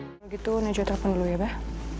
kalau gitu naja telepon dulu ya bah